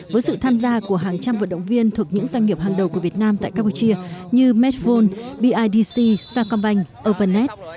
với sự tham gia của hàng trăm vận động viên thuộc những doanh nghiệp hàng đầu của việt nam tại campuchia như medve bidc sacombank ovanet